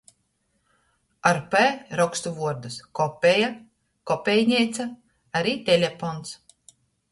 Ar p rokstu vuordus kopeja, kopejneica, ari telepons.